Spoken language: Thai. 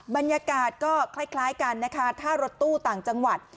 บรรยากาศก็คล้ายกันนะคะถ้ารถตู้ต่างจังหวัด